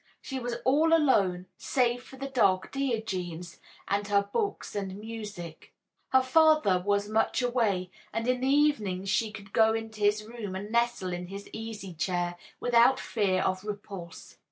She was all alone, save for the dog Diogenes and her books and music. Her father was much away, and in the evenings she could go into his room and nestle in his easy chair without fear of repulse.